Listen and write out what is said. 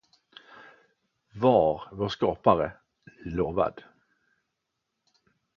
Var, vår skapare, nu lovad.